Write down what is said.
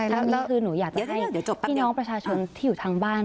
แล้วคือหนูอยากจะให้พี่น้องประชาชนที่อยู่ทางบ้าน